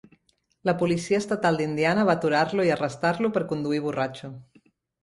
La policia estatal d'Indiana va aturar-lo i arrestar-lo per conduir borratxo.